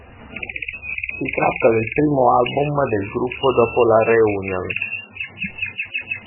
Si tratta del primo album del gruppo dopo la reunion.